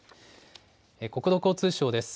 国土交通省です。